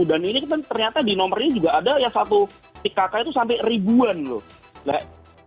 dan ini ternyata di nomor ini juga ada ya satu nik kk itu sampai ribuan loh